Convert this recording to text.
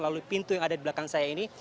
lalu pintu yang ada di belakang saya ini